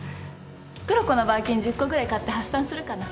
クロコのバーキン１０個ぐらい買って発散するかな。